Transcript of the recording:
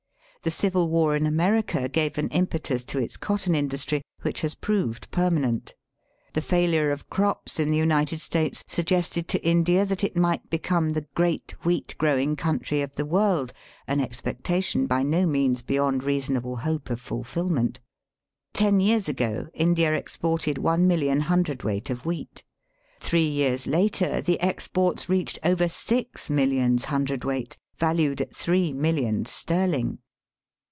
The civil war in America gave an impetus to its cotton industry which has proved permanent. The failure of crops in the United States suggested to India that it might become the great wheat growing country of the world, an expectation by no means beyond reasonable hope of fulfilment. Digitized by VjOOQIC 330 EAST BY WEST. Ten years ago India exported one million hundredweight of wheat. Three years later the exports reached over six millions hundred weight, valued at three millions sterling.